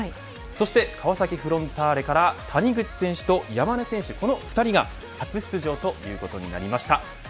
そして川崎フロンターレから谷口選手と山根選手この２人が初出場ということになりました。